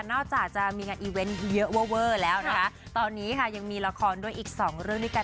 จากจะมีงานอีเวนต์เยอะเวอร์เวอร์แล้วนะคะตอนนี้ค่ะยังมีละครด้วยอีกสองเรื่องด้วยกัน